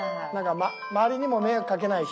周りにも迷惑かけないし。